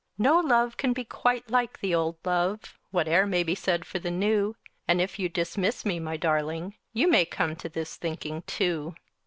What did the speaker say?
No love can be quite like the old love, Whate'er may be said for the new And if you dismiss me, my darling, You may come to this thinking, too.